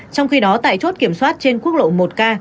trong khi đó tại chốt kiểm soát trên quốc lộ một k